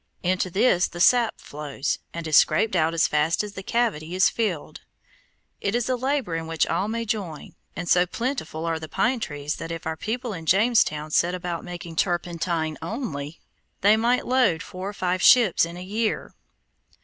Into this the sap flows, and is scraped out as fast as the cavity is filled. It is a labor in which all may join, and so plentiful are the pine trees that if our people of Jamestown set about making turpentine only, they might load four or five ships in a year.